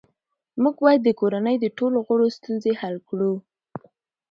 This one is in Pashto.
موږ باید د کورنۍ د ټولو غړو ستونزې حل کړو